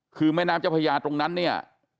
คือแม่น้ำเจ้าพญาตรงนั้นเนี่ย